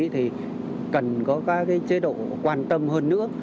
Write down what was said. thì cần có các chế độ quan tâm hơn nữa